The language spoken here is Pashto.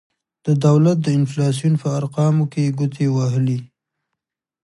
د دولت د انفلاسیون په ارقامو کې ګوتې وهلي.